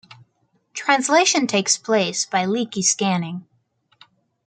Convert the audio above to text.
Translation takes place by leaky scanning.